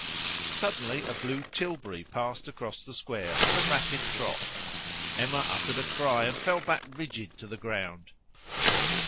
Suddenly a blue tilbury passed across the square at a rapid trot. Emma uttered a cry and fell back rigid to the ground.